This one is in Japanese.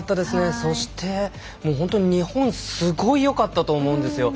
そして本当に日本すごいよかったと思うんです。